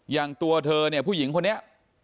อย่างตัวเธอเนี่ยผู้หญิงคนนี้